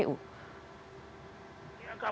ya kpu mbak putri